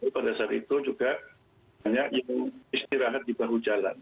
pada saat itu juga banyak yang istirahat di bahu jalan